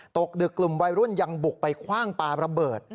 ตกดึกกลุ่มวัยรุ่นยังบุกไปคว่างปลาระเบิด